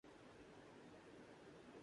Slovakia